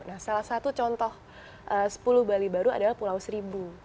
nah salah satu contoh sepuluh bali baru adalah pulau seribu